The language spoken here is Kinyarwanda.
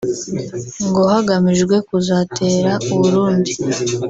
ngo hagamijwe kuzatera u Burundi